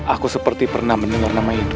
aku seperti pernah mendengar nama itu